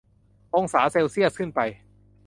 องศาเซลเซียสขึ้นไป